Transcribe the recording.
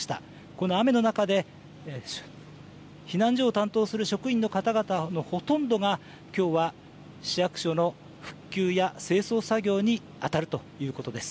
この雨の中で、避難所を担当する職員の方々のほとんどが、きょうは市役所の復旧や清掃作業に当たるということです。